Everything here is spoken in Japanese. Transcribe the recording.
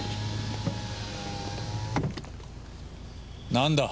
なんだ？